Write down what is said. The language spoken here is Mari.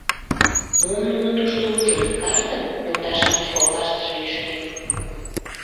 — Мом нуно тушто ужыт — картым? — йолташ-шамыч коклаштыже лӱшкен.